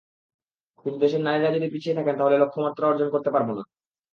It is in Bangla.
কিন্তু দেশের নারীরা যদি পিছিয়ে থাকেন, তাহলে লক্ষ্যমাত্রা অর্জন করতে পারব না।